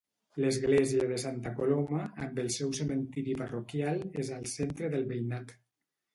L'església de Santa Coloma, amb el seu cementiri parroquial, és al centre del veïnat.